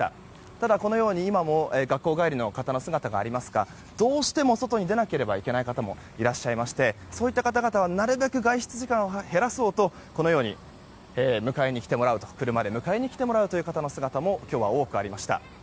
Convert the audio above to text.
ただ、今も学校帰りの方の姿もありますがどうしても外に出なければいけない方もいらっしゃいましてそういった方々はなるべく外出時間を減らそうと車で迎えてきてもらうという方の姿も今日は多くありました。